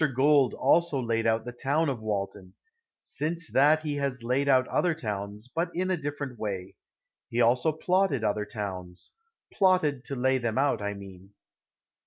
Gould also laid out the town of Walton. Since that he has laid out other towns, but in a different way. He also plotted other towns. Plotted to lay them out, I mean.